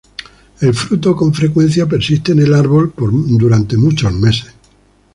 El fruto con frecuencia persiste en el árbol por muchos meses.